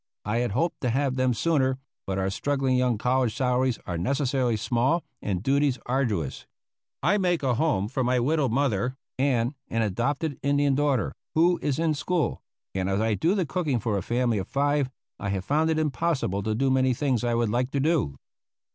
I had hoped to have them sooner, but our struggling young college salaries are necessarily small and duties arduous. I make a home for my widowed mother and an adopted Indian daughter, who is in school; and as I do the cooking for a family of five, I have found it impossible to do many things I would like to.